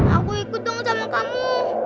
aku ikut dengan kamu